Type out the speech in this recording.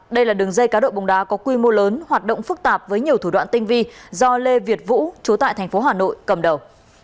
đây là đường dây cá độ bóng đá có quy mô lớn hoạt động phức tạp với nhiều thủ đoạn tinh vi do lê việt vũ chú tại tp hà nội cầm đầu